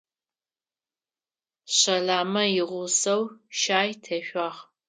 Щэламэ игъусэу щаи тешъуагъ.